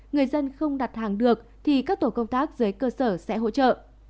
người dân không đặt hàng được thì các tổ công tác dưới cơ sở sẽ hỗ trợ